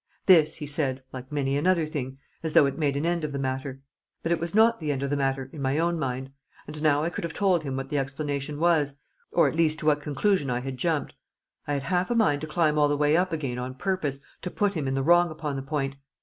This he said (like many another thing) as though it made an end of the matter. But it was not the end of the matter in my own mind; and now I could have told him what the explanation was, or at least to what conclusion I had jumped. I had half a mind to climb all the way up again on purpose to put him in the wrong upon the point.